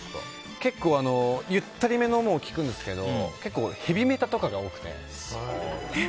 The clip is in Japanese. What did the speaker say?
結構、ゆったりめのも聴くんですけど結構ヘビメタとかが多くて。